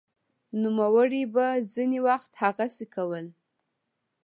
نوموړي به ځیني وخت هغسې کول